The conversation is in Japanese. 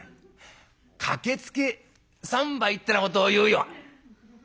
『駆けつけ三杯』ってなことを言うよ」。